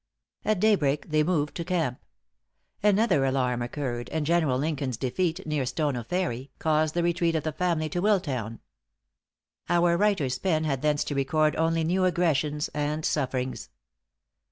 At daybreak they moved to camp. Another alarm occurred, and General Lincoln's defeat near Stono Ferry, caused the retreat of the family to Willtown. Our writer's pen had thence to record only new aggressions and sufferings.